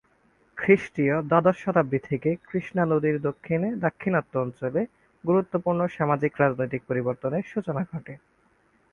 খ্রিস্টীয় দ্বাদশ শতাব্দী থেকে কৃষ্ণা নদীর দক্ষিণে দাক্ষিণাত্য অঞ্চলে গুরুত্বপূর্ণ সামাজিক-রাজনৈতিক পরিবর্তনের সূচনা ঘটে।